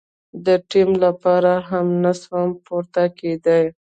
د تيمم لپاره هم نسوم پورته کېداى.